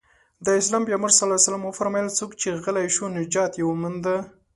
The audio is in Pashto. د اسلام پيغمبر ص وفرمايل څوک چې غلی شو نجات يې ومونده.